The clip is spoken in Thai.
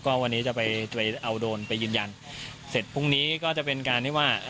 ก็วันนี้จะไปไปเอาโดรนไปยืนยันเสร็จพรุ่งนี้ก็จะเป็นการที่ว่า